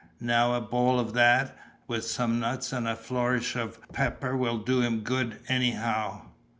Now a bowl of that, with some nuts and a flourish of pepper, will do him good, anyhow."